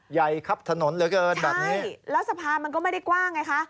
ใหญ่ครับถนนเหลือเกินแบบนี้แล้วสะพานมันก็ไม่ได้กว้างไงคะ